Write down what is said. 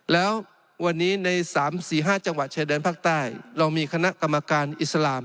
แล้ววันนี้ใน๓๔๕จังหวัดชายแดนภาคใต้เรามีคณะกรรมการอิสลาม